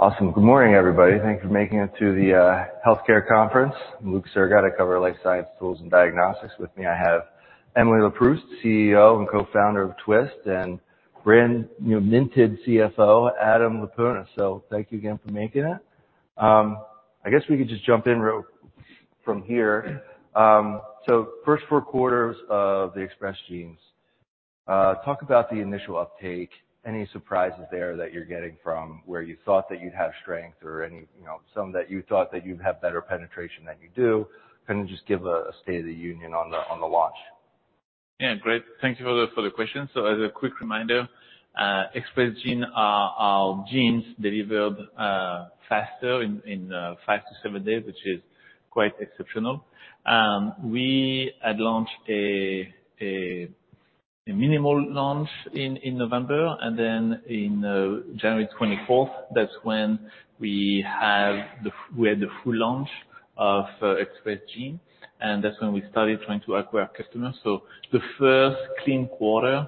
Awesome. Good morning, everybody. Thank you for making it to the healthcare conference. I'm Luke Sergott, I cover life science tools and diagnostics. With me, I have Emily Leproust, CEO and co-founder of Twist, and brand, you know, minted CFO, Adam Laponis. So thank you again for making it. I guess we could just jump in right from here. So first 4 quarters of the Express Genes, talk about the initial uptake. Any surprises there that you're getting from where you thought that you'd have strength or any, you know, some that you thought that you'd have better penetration than you do? Kind of just give a state of the union on the launch. Yeah. Great, thank you for the question. So as a quick reminder, Express Genes are our genes delivered faster in 5-7 days, which is quite exceptional. We had launched a minimal launch in November, and then in January 24th, that's when we had the full launch of Express Genes, and that's when we started trying to acquire customers. So the first clean quarter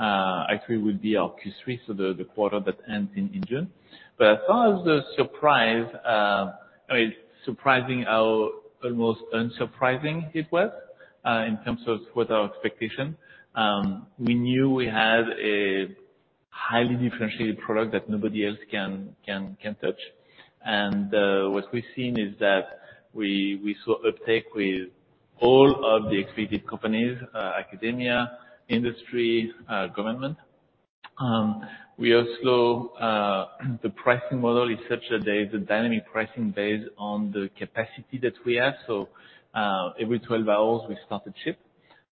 actually would be our Q3, so the quarter that ends in June. But as far as the surprise, I mean, surprising how almost unsurprising it was in terms of what our expectation. We knew we had a highly differentiated product that nobody else can touch. What we've seen is that we saw uptake with all of the executive companies, academia, industry, government. We also, the pricing model is such that there is a dynamic pricing based on the capacity that we have. So, every 12 hours, we start a chip,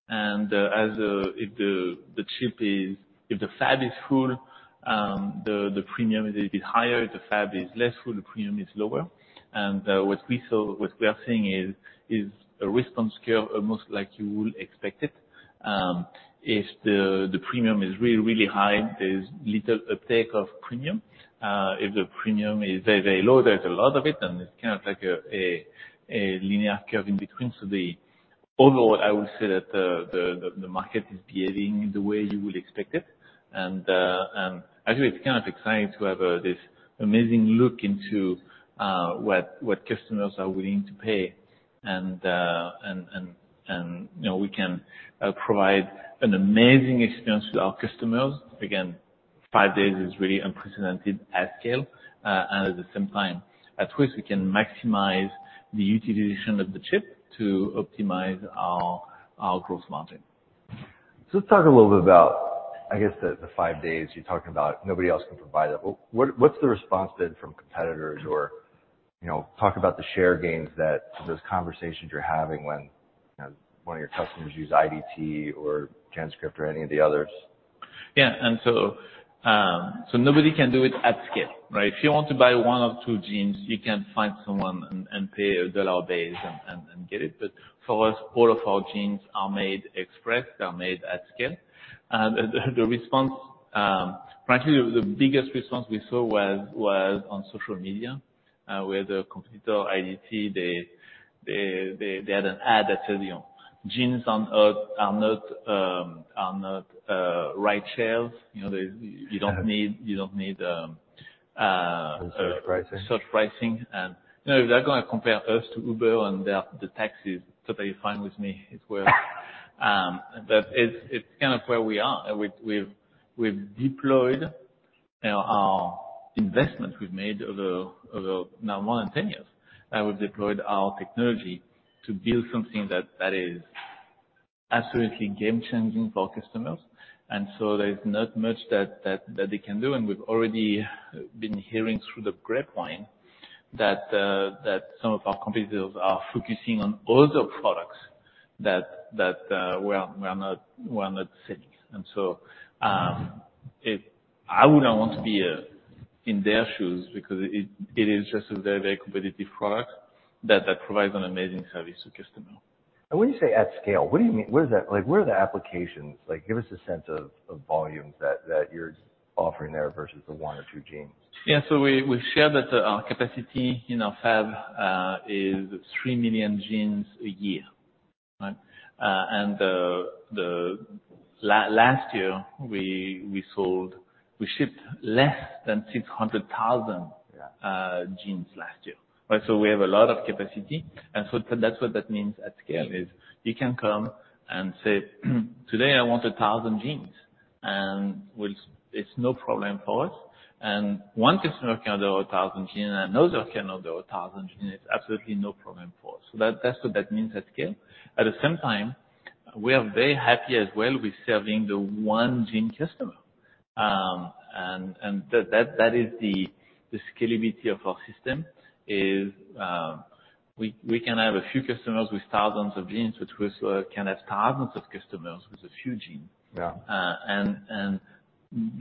and if the fab is full, the premium is a bit higher; if the fab is less full, the premium is lower. And, what we saw, what we are seeing is a response scale, almost like you would expect it. If the premium is really, really high, there's little uptake of premium. If the premium is very, very low, there's a lot of it, and it's kind of like a linear curve in between. So overall, I would say that the market is behaving the way you would expect it. And actually, it's kind of exciting to have this amazing look into what customers are willing to pay. And you know, we can provide an amazing experience to our customers. Again, five days is really unprecedented at scale. And at the same time, at Twist, we can maximize the utilization of the chip to optimize our gross margin. So let's talk a little bit about, I guess, the five days you're talking about, nobody else can provide that. What, what's the response been from competitors or, you know, talk about the share gains that, those conversations you're having when, you know, one of your customers use IDT or GenScript or any of the others. Yeah, and so nobody can do it at scale, right? If you want to buy one or two genes, you can find someone and pay $1 base and get it. But for us, all of our genes are made express, they're made at scale. And the response, frankly, the biggest response we saw was on social media, where the competitor, IDT, had an ad that said, you know, "Genes on Earth are not ride shares. You know, they- Yeah... You don't need Pricing. Surge pricing. And, you know, if they're gonna compare us to Uber and the taxi, totally fine with me. It's where we are. And we've deployed, you know, our investment we've made over now more than 10 years. We've deployed our technology to build something that is absolutely game changing for our customers, and so there's not much that they can do. And we've already been hearing through the grapevine that some of our competitors are focusing on other products that we are not selling. And so I would not want to be in their shoes because it is just a very competitive product that provides an amazing service to customer. When you say at scale, what do you mean? What is that? Like, what are the applications? Like, give us a sense of volumes that you're offering there versus the one or two genes. Yeah. So we share that our capacity in our fab is 3 million genes a year, right? And last year, we sold, we shipped less than 600,000 genes last year, right? So we have a lot of capacity. And so that's what that means at scale, is you can come and say, "Today, I want 1,000 genes," and we'll. It's no problem for us. And one customer can order 1,000 genes, and another can order 1,000 genes, it's absolutely no problem for us. So that's what that means at scale. At the same time, we are very happy as well with serving the one-gene customer. And that is the scalability of our system. We can have a few customers with thousands of genes, which we can have thousands of customers with a few genes. Yeah.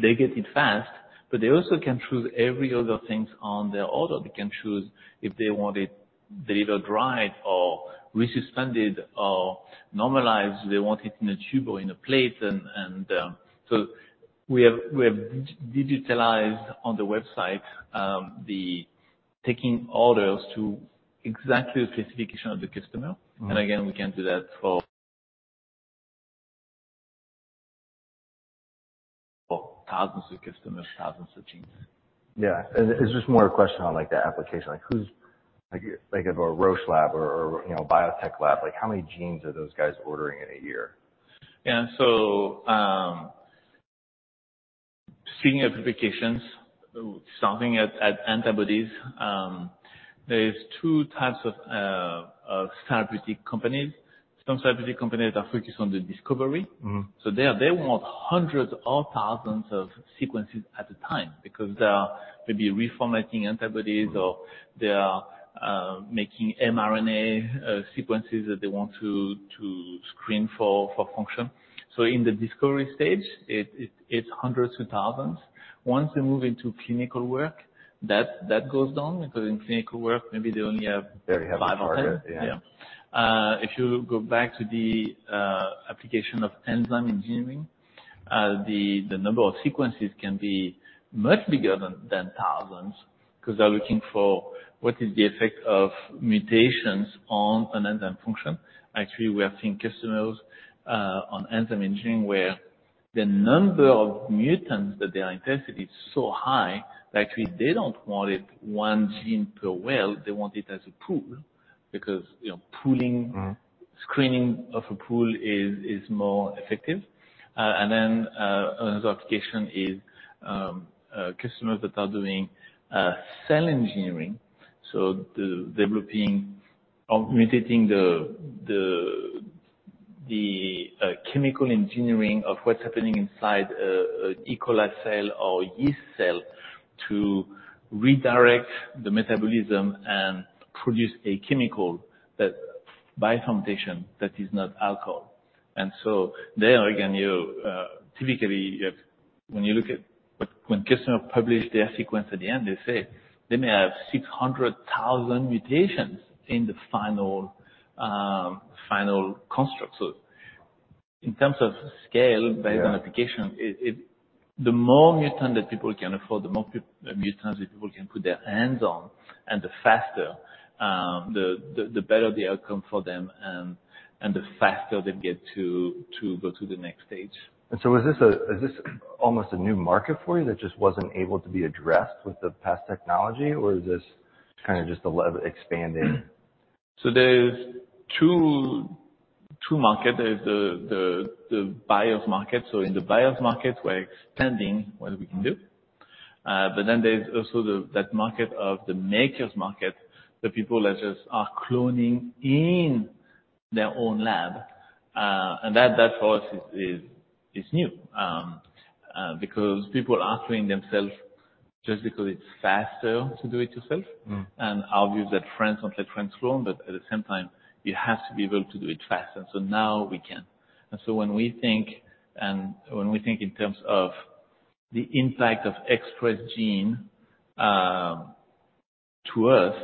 They get it fast, but they also can choose every other things on their order. They can choose if they want it delivered dried or resuspended or normalized, they want it in a tube or in a plate. So we have digitalized on the website the taking orders to exactly the specification of the customer. Mm-hmm. And again, we can do that. Well, thousands of customers, thousands of genes. Yeah. And it's just more a question on, like, the application. Like, who's like, if a Roche lab or, you know, biotech lab, like, how many genes are those guys ordering in a year? Seeing applications, starting at antibodies, there is two types of therapeutic companies. Some therapeutic companies are focused on the discovery. Mm-hmm. So they want hundreds or thousands of sequences at a time, because they are maybe reformatting antibodies- Mm-hmm. or they are making mRNA sequences that they want to screen for function. So in the discovery stage, it's hundreds to thousands. Once they move into clinical work, that goes down, because in clinical work, maybe they only have- They have a target. -5 or 10. Yeah. If you go back to the application of enzyme engineering, the number of sequences can be much bigger than thousands, 'cause they're looking for what is the effect of mutations on an enzyme function. Actually, we have seen customers on enzyme engineering, where the number of mutants that they are interested is so high, actually, they don't want it one gene per well, they want it as a pool, because, you know, pooling- Mm. Screening of a pool is more effective. And then another application is customers that are doing cell engineering. So developing or mutating the chemical engineering of what's happening inside a E. coli cell or yeast cell, to redirect the metabolism and produce a chemical that, by foundation, that is not alcohol. And so there, again, you typically, when you look at when customers publish their sequence at the end, they say they may have 600,000 mutations in the final final construct. So in terms of scale- Yeah. -based on application, The more mutant that people can afford, the more mutants that people can put their hands on, and the faster the better the outcome for them and the faster they get to go to the next stage. Is this almost a new market for you that just wasn't able to be addressed with the past technology? Or is this kind of just a lev- expanding? So there's two markets. There's the buyer's market. So in the buyer's market, we're expanding what we can do. But then there's also the market of the maker's market, the people that just are cloning in their own lab, and that for us is new. Because people are doing themselves, just because it's faster to do it yourself. Mm. Obviously, that friends don't let friends clone, but at the same time, you have to be able to do it faster. So now we can. When we think in terms of the impact of Express Genes to us.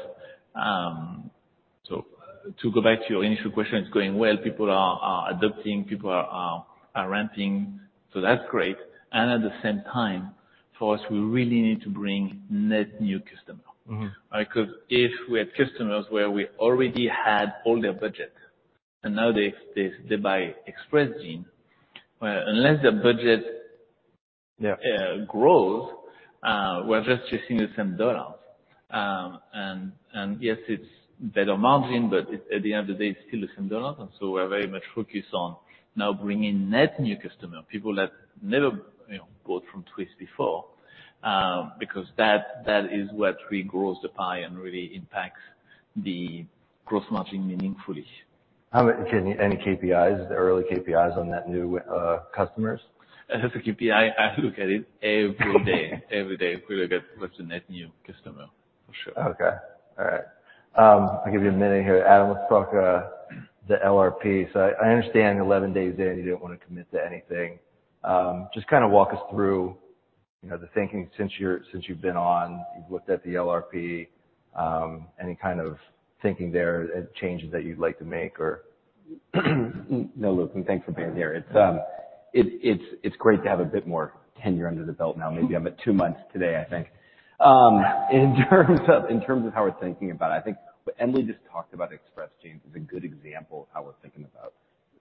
To go back to your initial question, it's going well. People are adopting, people are renting, so that's great. And at the same time, for us, we really need to bring net new customer. Mm-hmm. Because if we had customers where we already had all their budget, and now they buy Express Genes, well, unless their budget- Yeah... grows, we're just chasing the same dollars. And, and yes, it's better margin, but it, at the end of the day, it's still the same dollars. And so we're very much focused on now bringing net new customer, people that never, you know, bought from Twist before, because that, that is what really grows the pie and really impacts the gross margin meaningfully. Can any KPIs, the early KPIs on net new customers? As a KPI, I look at it every day. Every day, we look at what's the net new customer, for sure. Okay. All right. I'll give you a minute here. Adam, let's talk the LRP. So I understand 11 days in, you don't want to commit to anything. Just kind of walk us through, you know, the thinking since you've been on, you've looked at the LRP. Any kind of thinking there, changes that you'd like to make, or? No, Luke, and thanks for being here. It's great to have a bit more tenure under the belt now. Mm-hmm. Maybe I've got two months today, I think. In terms of how we're thinking about it, I think what Emily just talked about, Express Genes, is a good example of how we're thinking about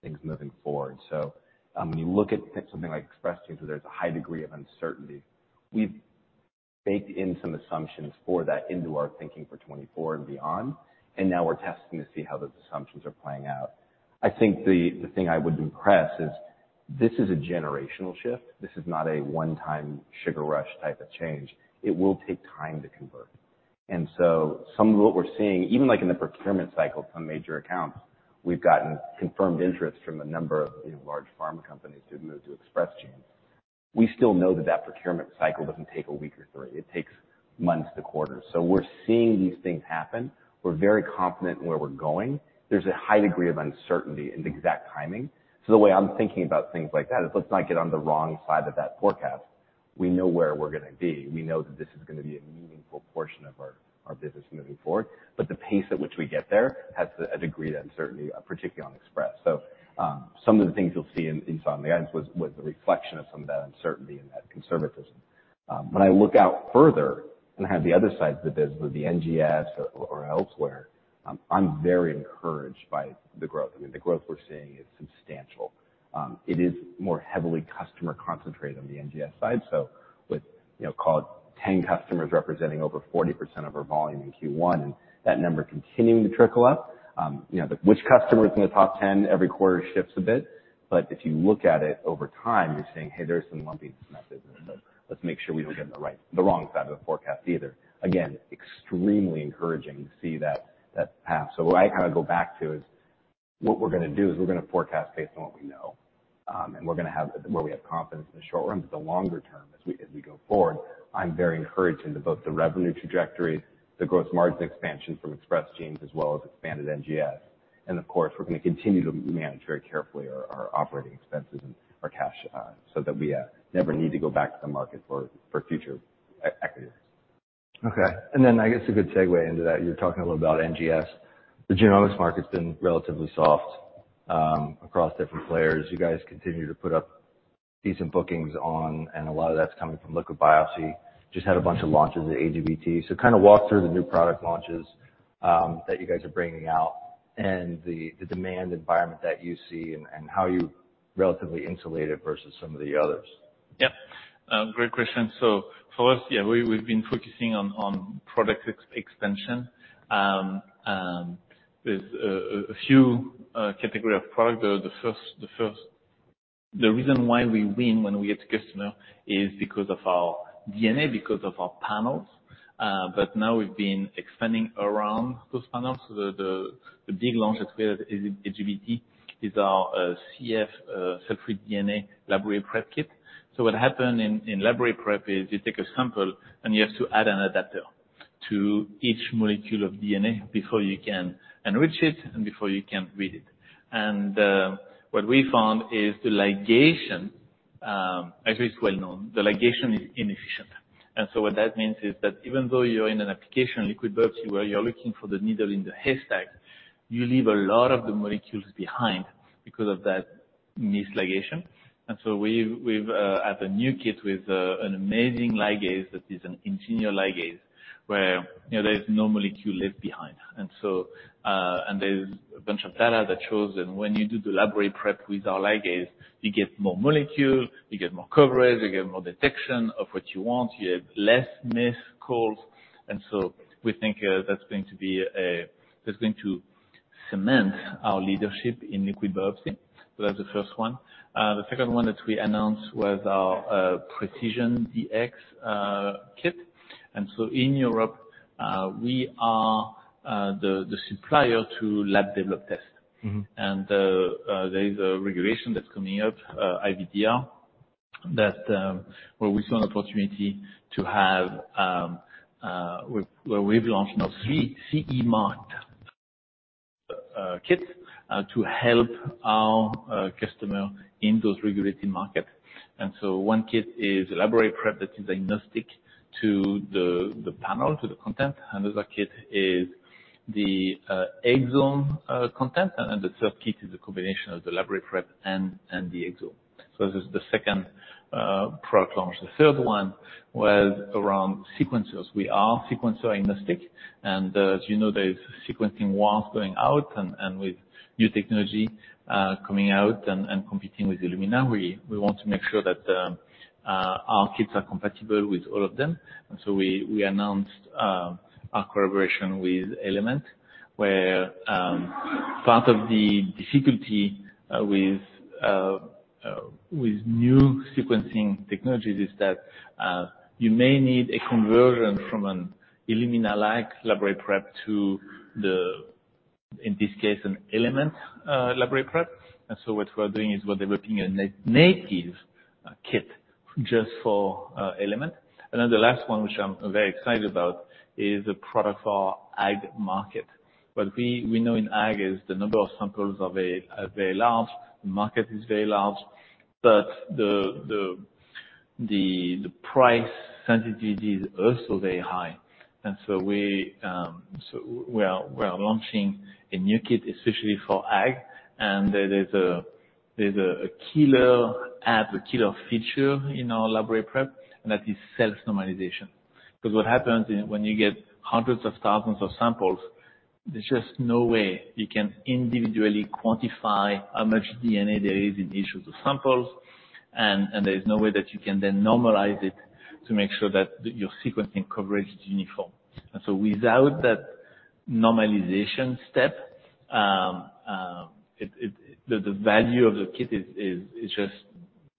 things moving forward. So, when you look at something like Express Genes, where there's a high degree of uncertainty, we've baked in some assumptions for that into our thinking for 2024 and beyond, and now we're testing to see how those assumptions are playing out. I think the thing I would impress is this is a generational shift. This is not a one-time sugar rush type of change. It will take time to convert. And so some of what we're seeing, even, like, in the procurement cycle from major accounts, we've gotten confirmed interest from a number of, you know, large pharma companies to move to Express Genes. We still know that that procurement cycle doesn't take a week or three. It takes months to quarters. So we're seeing these things happen. We're very confident in where we're going. There's a high degree of uncertainty in the exact timing. So the way I'm thinking about things like that is let's not get on the wrong side of that forecast. We know where we're gonna be. We know that this is gonna be a meaningful portion of our business moving forward, but the pace at which we get there has a degree of uncertainty, particularly on Express. So some of the things you'll see in some regards was a reflection of some of that uncertainty and that conservatism. When I look out further and have the other sides of the business, the NGS or elsewhere, I'm very encouraged by the growth. I mean, the growth we're seeing is substantial. It is more heavily customer concentrated on the NGS side, so with, you know, call it 10 customers representing over 40% of our volume in Q1, and that number continuing to trickle up. You know, but which customer is in the top 10 every quarter shifts a bit, but if you look at it over time, you're saying, "Hey, there's some lumpiness in that business. Let's make sure we don't get on the wrong side of the forecast either." Again, extremely encouraging to see that path. So what I kind of go back to is, what we're gonna do is we're gonna forecast based on what we know, and we're gonna have where we have confidence in the short run, but the longer term as we go forward, I'm very encouraged in both the revenue trajectory, the gross margin expansion from Express Genes, as well as expanded NGS. And of course, we're gonna continue to manage very carefully our operating expenses and our cash, so that we never need to go back to the market for future equities. Okay. And then I guess a good segue into that, you're talking a little about NGS. The genomics market's been relatively soft, across different players. You guys continue to put up decent bookings on, and a lot of that's coming from liquid biopsy. Just had a bunch of launches at AGBT. So kind of walk through the new product launches, that you guys are bringing out, and the demand environment that you see and how you're relatively insulated versus some of the others. Yeah. Great question. So for us, yeah, we've been focusing on product expansion. There's a few category of product. The first... The reason why we win when we get to customer is because of our DNA, because of our panels. But now we've been expanding around those panels. So the big launch that we had is AGBT, is our cfDNA library prep kit. So what happened in library prep is you take a sample, and you have to add an adapter to each molecule of DNA before you can enrich it and before you can read it. And what we found is the ligation, as it's well known, the ligation is inefficient. And so what that means is that even though you're in an application liquid biopsy, where you're looking for the needle in the haystack, you leave a lot of the molecules behind because of that missed ligation. And so we've added a new kit with an amazing ligase that is an engineered ligase, where, you know, there is no molecule left behind. And so, and there's a bunch of data that shows that when you do the library prep with our ligase, you get more molecules, you get more coverage, you get more detection of what you want, you have less missed calls. And so we think that's going to cement our leadership in liquid biopsy. So that's the first one. The second one that we announced was our Precision Dx kit. In Europe, we are the supplier to lab developed tests. Mm-hmm. There is a regulation that's coming up, IVDR, where we've launched now three CE-marked kits to help our customer in those regulated markets. So one kit is a library prep that is agnostic to the panel, to the content. Another kit is the exome content, and the third kit is a combination of the library prep and the exome. So this is the second product launch. The third one was around sequencers. We are sequencer agnostic, and as you know, there is sequencing waves going out, and with new technology coming out and competing with Illumina, we want to make sure that our kits are compatible with all of them. And so we announced our collaboration with Element, where part of the difficulty with new sequencing technologies is that you may need a conversion from an Illumina-like library prep to the, in this case, an Element library prep. And so what we're doing is we're developing a native kit just for Element. And then the last one, which I'm very excited about, is a product for Ag market. What we know in Ag is the number of samples are very large, the market is very large, but the price sensitivity is also very high. And so we are launching a new kit especially for Ag, and there's a killer app, a killer feature in our library prep, and that is self-normalization. Because what happens is, when you get hundreds of thousands of samples, there's just no way you can individually quantify how much DNA there is in each of the samples, and there is no way that you can then normalize it to make sure that your sequencing coverage is uniform. And so without that normalization step, the value of the kit is just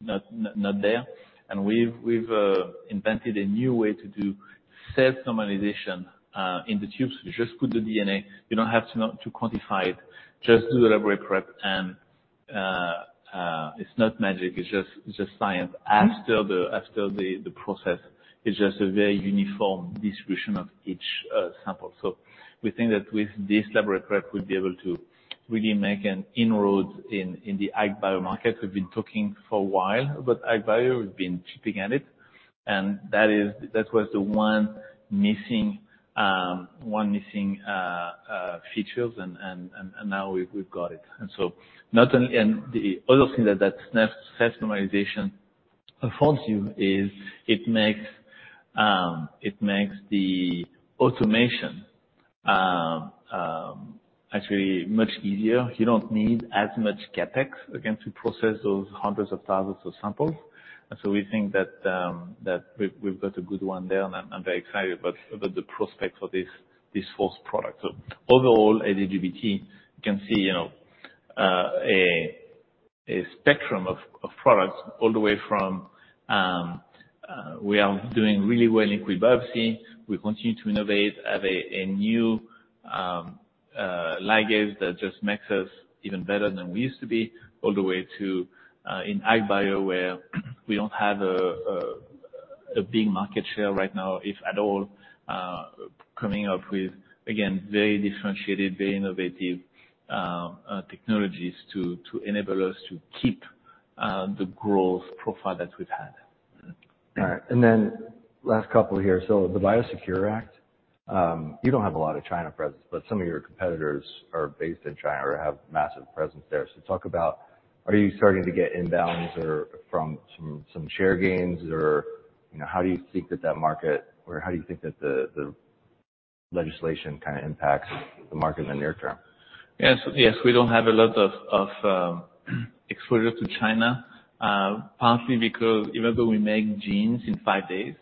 not there. And we've invented a new way to do self-normalization in the tubes. You just put the DNA. You don't have to quantify it. Just do the library prep and it's not magic, it's just science. Mm-hmm. After the process, it's just a very uniform distribution of each sample. So we think that with this library prep, we'll be able to really make an inroads in the AgBio market. We've been talking for a while, but ag bio, we've been chipping at it, and that was the one missing feature, and now we've got it. And so the other thing that customization affords you is it makes the automation actually much easier. You don't need as much CapEx, again, to process those hundreds of thousands of samples. And so we think that we've got a good one there, and I'm very excited about the prospect for this fourth product. So overall, AGBT, you can see, you know, a spectrum of products all the way from we are doing really well in liquid biopsy. We continue to innovate, have a new ligase that just makes us even better than we used to be, all the way to in SynBio, where we don't have a big market share right now, if at all, coming up with, again, very differentiated, very innovative technologies to enable us to keep the growth profile that we've had. All right. And then last couple here. So the Biosecure Act, you don't have a lot of China presence, but some of your competitors are based in China or have massive presence there. So talk about, are you starting to get inbounds or from some share gains, or, you know, how do you think that market, or how do you think that the legislation kind of impacts the market in the near term? Yes, yes, we don't have a lot of exposure to China. Partly because even though we make genes in five days,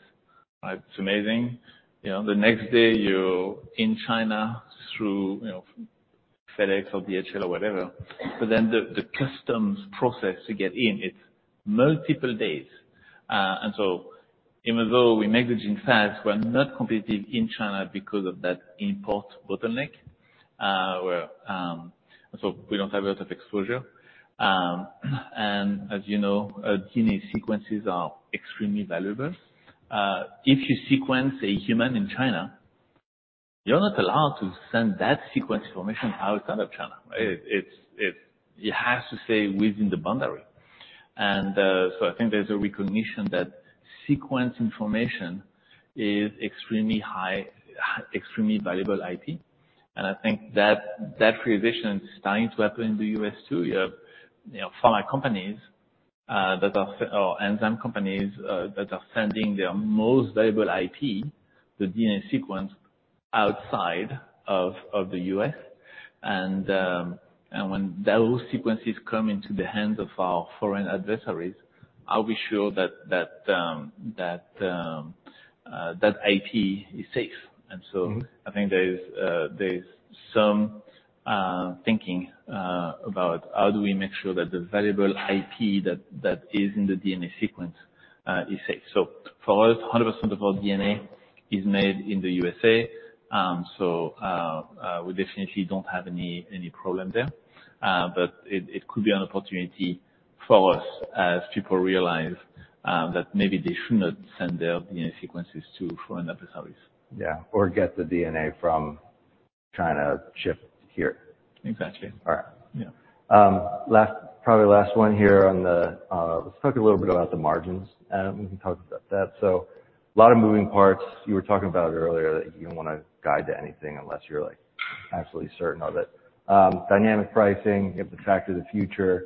right, it's amazing, you know, the next day, you're in China through, you know, FedEx or DHL or whatever. But then the customs process to get in, it's multiple days. And so even though we make the genes fast, we're not competing in China because of that import bottleneck. We're so we don't have a lot of exposure. And as you know, gene sequences are extremely valuable. If you sequence a human in China, you're not allowed to send that sequence information outside of China, right? It has to stay within the boundary. And so I think there's a recognition that sequence information is extremely valuable IP. I think that realization is starting to happen in the U.S., too. You have, you know, pharma companies that are or enzyme companies that are sending their most valuable IP, the DNA sequence, outside of the U.S. And when those sequences come into the hands of our foreign adversaries, are we sure that IP is safe? Mm-hmm. And so I think there's some thinking about how do we make sure that the valuable IP that is in the DNA sequence is safe. So for us, 100% of our DNA is made in the USA, so we definitely don't have any problem there. But it could be an opportunity for us as people realize that maybe they should not send their DNA sequences to foreign adversaries. Yeah, or get the DNA from China shipped here. Exactly. All right. Yeah. Probably last one here on the, let's talk a little bit about the margins, and we can talk about that. So a lot of moving parts. You were talking about earlier, that you don't want to guide to anything unless you're, like, absolutely certain of it. Dynamic pricing, Factory of the Future,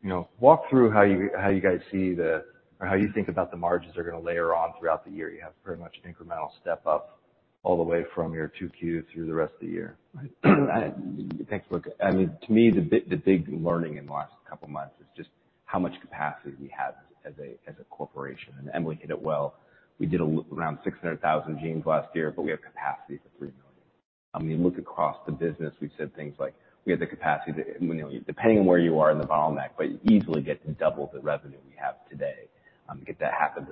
you know, walk through how you, how you guys see the, or how you think about the margins are going to layer on throughout the year. You have pretty much an incremental step up all the way from your 2Q through the rest of the year. Thanks, look, I mean, to me, the big, the big learning in the last couple of months is just how much capacity we have as a, as a corporation, and Emily hit it well. We did around 600,000 genes last year, but we have capacity for 3 million. I mean, look across the business, we've said things like, "We have the capacity to," you know, depending on where you are in the bottleneck, but you easily get double the revenue we have today, get to 500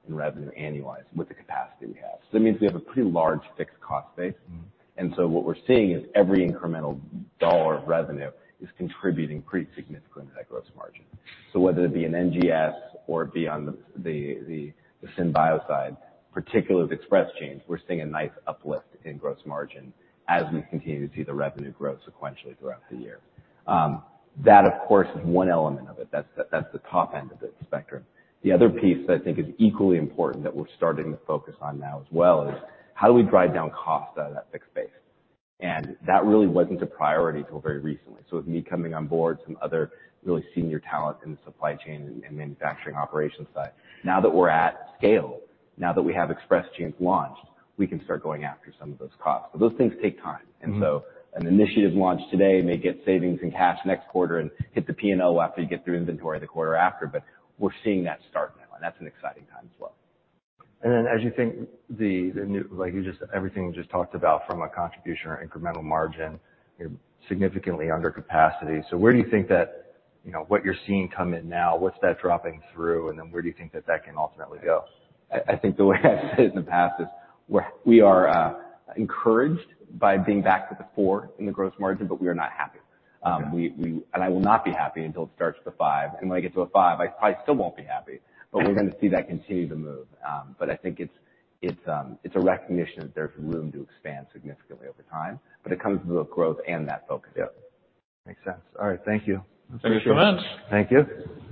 million mark in revenue annualized with the capacity we have. So that means we have a pretty large fixed cost base. Mm-hmm. And so what we're seeing is every incremental dollar of revenue is contributing pretty significantly to that gross margin. So whether it be an NGS or it be on the SynBio side, particularly with Express Genes, we're seeing a nice uplift in gross margin as we continue to see the revenue grow sequentially throughout the year. That, of course, is one element of it. That's the top end of the spectrum. The other piece that I think is equally important, that we're starting to focus on now as well, is how do we drive down cost out of that fixed base? And that really wasn't a priority until very recently. So with me coming on board, some other really senior talent in the supply chain and manufacturing operations side. Now that we're at scale, now that we have Express Genes launched, we can start going after some of those costs, but those things take time. Mm-hmm. And so an initiative launched today may get savings and cash next quarter and hit the P&L after you get through inventory the quarter after, but we're seeing that start now, and that's an exciting time as well. And then as you think, like you just, everything you just talked about from a contribution or incremental margin, you're significantly under capacity. So where do you think that, you know, what you're seeing come in now, what's that dropping through, and then where do you think that can ultimately go? I think the way I've said it in the past is, we are encouraged by being back to the four in the gross margin, but we are not happy. Yeah. I will not be happy until it starts to five. When I get to a five, I probably still won't be happy- Yeah. but we're going to see that continue to move. But I think it's a recognition that there's room to expand significantly over time, but it comes with growth and that focus. Yeah. Makes sense. All right, thank you. Thank you so much. Thank you.